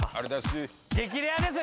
激レアですよ